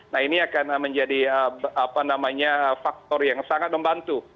nah ini akan menjadi faktor yang sangat membantu